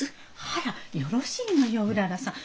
あらよろしいのようららさん。